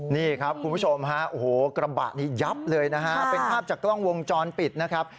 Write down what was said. นี่ครับคุณผู้ชมฮะโอ้โหกระบะนี้ยับเลยนะฮะเป็นภาพจากกล้องวงจรปิดนะครับ